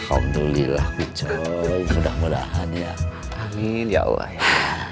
alhamdulillah mudah mudahan ya amin ya allah ya